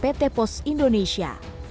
pbi tepos indonesia